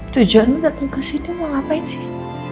tujuan lu dateng kesini mau ngapain sih